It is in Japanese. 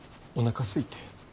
おなかすいて。